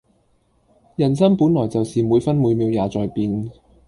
人心本來就是每分每秒也在變